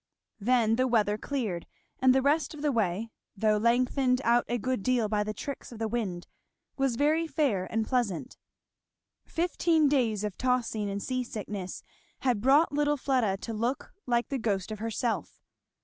Then the weather cleared; and the rest of the way, though lengthened out a good deal by the tricks of the wind, was very fair and pleasant. Fifteen days of tossing and sea sickness had brought little Fleda to look like the ghost of herself.